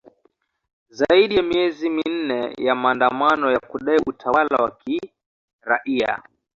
zaidi ya miezi minne ya maandamano ya kudai utawala wa kiraia